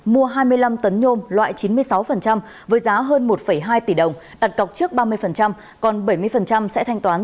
mua hai mươi năm tấn nhôm loại chín mươi sáu với giá hơn một hai tỷ đồng đặt cọc trước ba mươi còn bảy mươi sẽ thanh toán